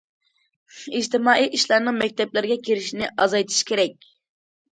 -- ئىجتىمائىي ئىشلارنىڭ مەكتەپلەرگە كىرىشىنى ئازايتىش كېرەك.